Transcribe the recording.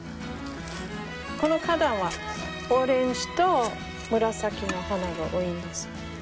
この花壇はオレンジと紫の花が多いんです。